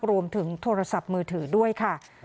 รวมถึงโทรศัพท์มือถือด้วยค่ะ